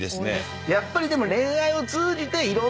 やっぱりでも。